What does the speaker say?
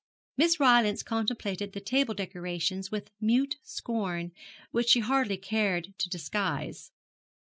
Miss Rylance contemplated the table decorations with mute scorn, which she hardly cared to disguise.